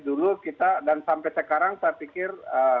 dulu kita dan sampai sekarang saya pikir